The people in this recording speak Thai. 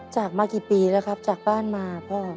จากมากี่ปีแล้วครับจากบ้านมาพ่อ